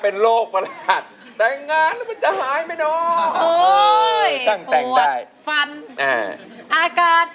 เพลงที่๔ของเขาดูสิว่าเขาจะทำสำเร็จหรือว่าร้องผิดครับ